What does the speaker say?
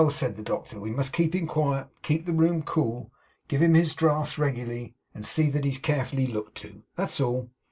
said the doctor, 'we must keep him quiet; keep the room cool; give him his draughts regularly; and see that he's carefully looked to. That's all!